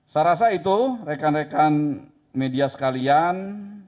saya rasa itu rekan rekan media sekalian